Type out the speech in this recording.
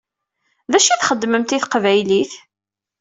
D acu i txedmemt i teqbaylit?